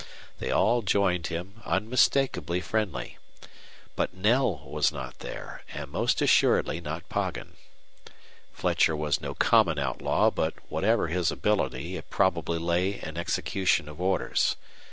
They all joined him, unmistakably friendly. But Knell was not there, and most assuredly not Poggin. Fletcher was no common outlaw, but, whatever his ability, it probably lay in execution of orders.